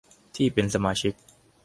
ที่เป็นสมาชิก